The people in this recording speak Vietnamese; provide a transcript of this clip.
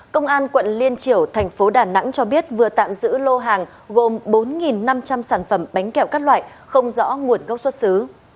công an quận liên triểu thành phố đà nẵng cho biết vừa tạm giữ lô hàng gồm bốn năm trăm linh sản phẩm bánh kẹo các loại không rõ nguồn gốc xuất xứ